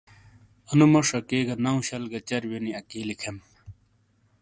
انو موش اکی گہ نو شل گہ چربِیو نی اکی لکھیم۔